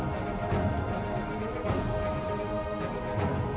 wasila bangun wasila